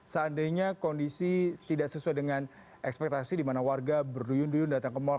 seandainya kondisi tidak sesuai dengan ekspektasi di mana warga berduyun duyun datang ke mal